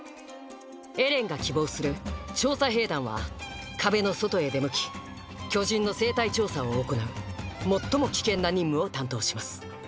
エレンが希望する「調査兵団」は壁の外へ出向き巨人の生態調査を行う最も危険な任務を担当します。